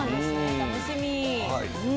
楽しみ。